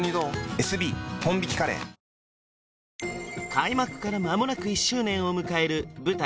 開幕からまもなく１周年を迎える舞台